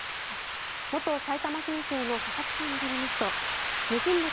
元埼玉県警の佐々木さんによりますと盗んだ